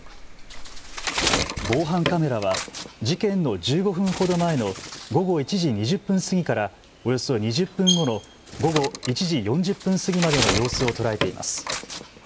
防犯カメラは事件の１５分ほど前の午後１時２０分過ぎからおよそ２０分後の午後１時４０分過ぎまでの様子を捉えています。